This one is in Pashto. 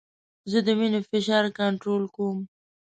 زه د وینې فشار کنټرول کوم.